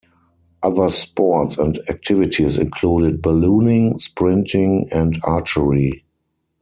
Other sports and activities included ballooning, sprinting and archery.